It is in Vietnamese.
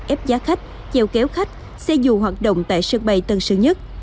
ép giá khách chèo kéo khách xe dù hoạt động tại sân bay tân sơn nhất